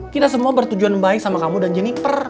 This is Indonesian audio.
kita semua bertujuan baik sama kamu dan jenniper